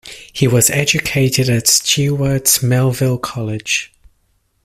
He was educated at Stewart's Melville College.